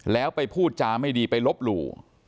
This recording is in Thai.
แล้วไปพูดจาไม่ดีไปลบหลู่